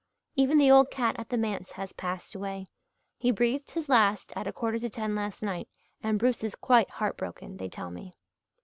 Even the old cat at the manse has passed away. He breathed his last at a quarter to ten last night and Bruce is quite heart broken, they tell me."